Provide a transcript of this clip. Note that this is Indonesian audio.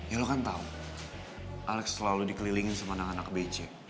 ya lo kan tahu alex selalu dikelilingi sama anak anak becek